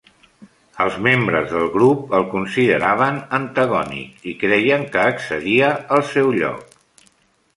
Els membres del grup el consideraven antagònic i creien que excedia el seu lloc.